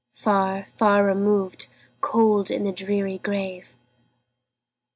Far, far removed, cold in the dreary grave!